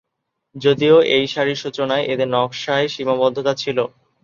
যদিও এই শাড়ির সূচনায় এদের নকশায় সীমাবদ্ধতা ছিল।